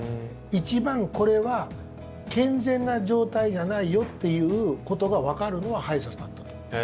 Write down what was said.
一番これは健全な状態じゃないよっていうことがわかるのは歯医者さんだと思うんです。